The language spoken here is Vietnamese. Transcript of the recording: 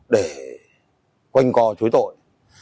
để quanh co chối tội